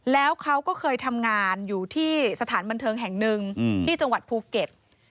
แล้วเขาก็เคยทำงานอยู่ที่สถานบันเทิงแห่งหนึ่งที่จังหวัดภูเก็ต